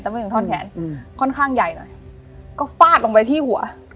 แต่ไม่ถึงท่อนแขนอืมค่อนข้างใหญ่หน่อยก็ฟาดลงไปที่หัว